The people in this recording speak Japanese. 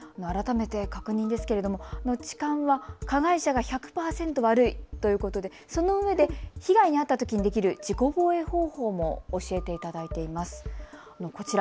改めて確認ですけれども痴漢は加害者が１００％悪いということでそのうえで被害に遭ったときにできる自己防衛方法も教えていただけますか。